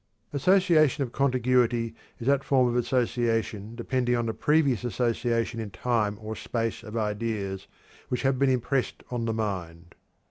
Association of contiguity is that form of association depending upon the previous association in time or space of ideas which have been impressed on the mind.